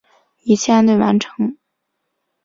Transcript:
一切安顿完成